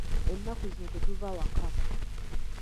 Ennaku zino tetuva waka.